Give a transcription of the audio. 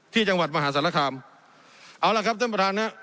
ที่จังหวัดมหาศาลคามเอาล่ะครับท่านประธานฮะ